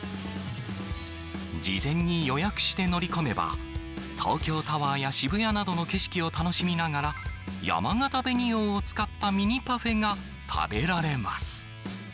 事前に予約して乗り込めば、東京タワーや渋谷などの景色を楽しみながら、やまがた紅王を使ったミニパフェが食べられます。